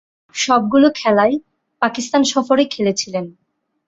সবগুলো খেলাই পাকিস্তান সফরে খেলেছিলেন।